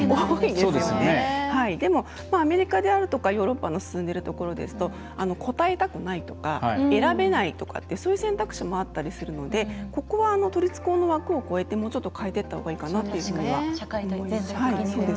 でも、アメリカであるとかヨーロッパの進んでいるところですと答えたくないとか選べないとかっていうそういう選択肢もあったりするのでここは都立高の枠を超えてもうちょっと変えていったほうがいいかなというふうには。